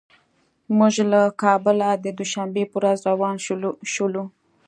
موږ له کابله د دوشنبې په ورځ روان شولو.